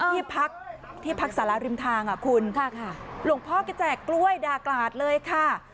ที่พักที่พักสาราริมทางอ่ะคุณค่ะหลวงพ่อแกแจกกล้วยด่ากราศเลยค่ะ